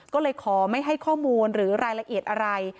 ก็เลยขอไม่ให้ข้อมูลหรือรายละเอียดอะไร